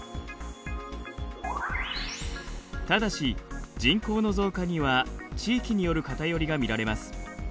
ただし人口の増加には地域による偏りが見られます。